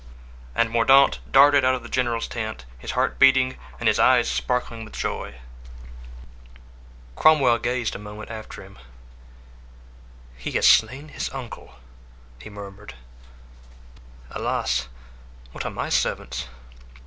And Mordaunt darted out of the general's tent, his heart beating and his eyes sparkling with joy. Cromwell gazed a moment after him. "He has slain his uncle!" he murmured. "Alas! what are my servants?